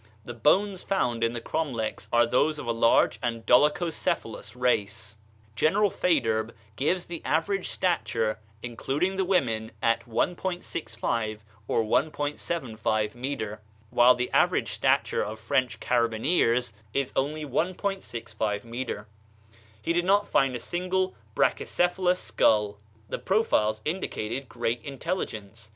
The bones found in the cromlechs are those of a large and dolichocephalous race. General Faidherbe gives the average stature (including the women) at 1.65 or 1.74 metre, while the average stature of French carabineers is only 1.65 metre. He did not find a single brachycephalous skull. The profiles indicated great intelligence.